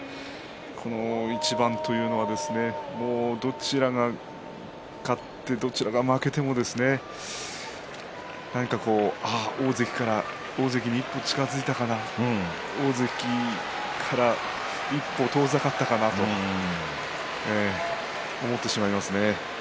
この一番はどちらが勝ってどちらが負けても何か大関に一歩近づいたかな大関から一歩遠ざかったかなそう思ってしまいますね。